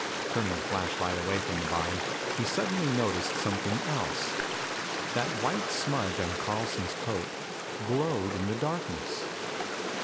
Turning the flashlight away from the body, he suddenly noticed something else. That white smudge on Carlson's coat glowed in the darkness.